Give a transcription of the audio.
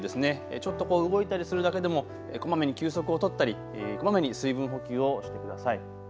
ちょっと動いたりするだけでもこまめに休息を取ったりこまめに水分補給をしてください。